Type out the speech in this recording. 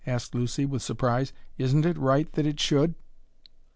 asked Lucy, with surprise. "Isn't it right that it should?"